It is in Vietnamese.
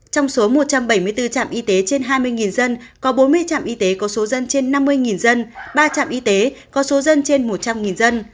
trong số một trăm bảy mươi bốn trạm y tế trên hai mươi dân có bốn mươi trạm y tế có số dân trên năm mươi dân ba trạm y tế có số dân trên một trăm linh dân